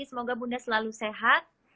semoga bunda selalu sehat